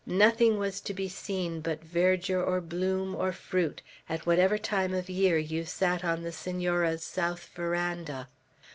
Nothing was to be seen but verdure or bloom or fruit, at whatever time of year you sat on the Senora's south veranda.